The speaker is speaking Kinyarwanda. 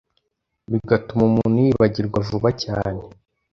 bigatuma umuntu yibagirwa vuba cyane .